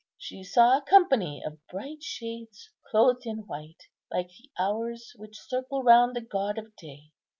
She saw a company of bright shades, clothed in white, like the hours which circle round the god of day.